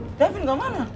woi devin gak mana